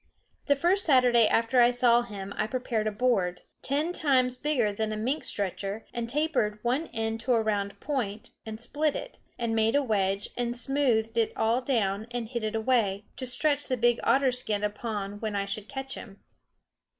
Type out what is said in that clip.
The first Saturday after I saw him I prepared a board, ten times bigger than a mink stretcher, and tapered one end to a round point, and split it, and made a wedge, and smoothed it all down, and hid it away to stretch the big otter's skin upon when I should catch him.